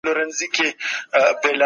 ترهغه چې اوبه وي کرنه به وي.